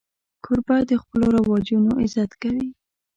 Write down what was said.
کوربه د خپلو رواجونو عزت کوي.